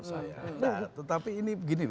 nah tetapi ini begini